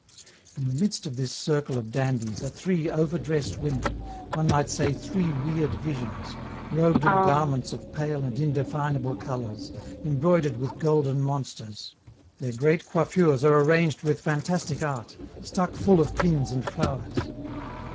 In the midst of this circle of dandies are three overdressed women, one might say three weird visions, robed in garments of pale and indefinable colors, embroidered with golden monsters; their great coiffures are arranged with fantastic art, stuck full of pins and flowers.